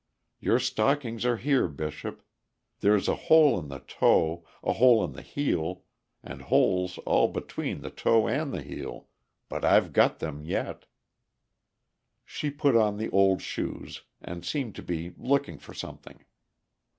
Your stockings are here, Bishop. There's a hole in the toe, a hole in the heel, and holes all between the toe and the heel—but I've got them yet." She put on the old shoes, and seemed to be looking for something.